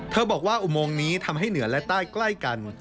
บอกว่าอุโมงนี้ทำให้เหนือและใต้ใกล้กัน